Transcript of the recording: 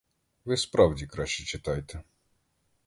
Ви, справді, краще читайте.